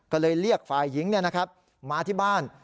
ก็เลยเรียกฝ่ายหญิงมาที่บ้าน